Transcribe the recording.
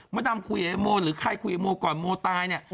มดำคุยกับโมหรือใครคุยกับโมก่อนโมตาย